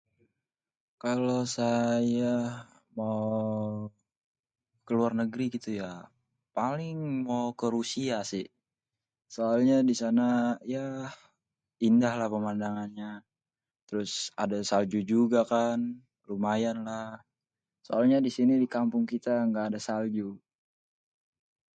kalo saya mau keluar negri gitu ya paling mau ke rusia si soalnya disana ya indah pemandangannya trus ada salju jugakan lumayan lah soalnya disini dikampung kita gaadè salju